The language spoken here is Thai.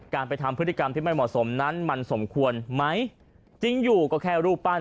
ไปทำพฤติกรรมที่ไม่เหมาะสมนั้นมันสมควรไหมจริงอยู่ก็แค่รูปปั้น